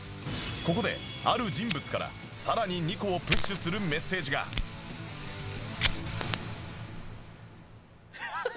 ここである人物からさらに二胡をプッシュするメッセージがハハハハハ！